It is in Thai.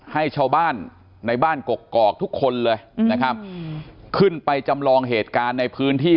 ให้เช้าบ้านในบ้านกรกทุกคนขึ้นไปจำลองเหตุการณ์ในพื้นที่